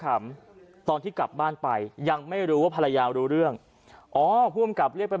ตอนที่กลับบ้านไปยังไม่รู้ว่าภรรยารู้เรื่องอ๋อผู้อำกับเรียกไป